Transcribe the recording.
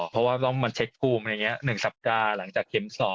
เพราะว่าต้องมาเช็คภูมิอะไรอย่างนี้๑สัปดาห์หลังจากเข็ม๒